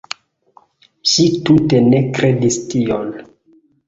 Ŝi tute ne kredis tion.